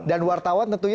dan wartawan tentunya